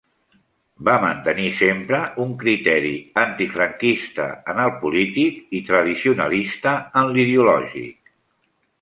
Va mantenir sempre un criteri antifranquista, en el polític, i tradicionalista, en l'ideològic.